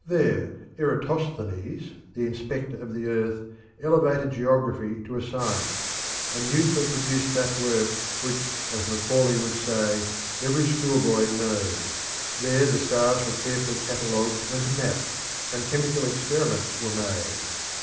There Eratosthenes, the "Inspector of the Earth," elevated geography to a science, and Euclid produced that work which, as Macaulay would say, "every schoolboy knows." There the stars were carefully catalogued and mapped, and chemical experiments were made.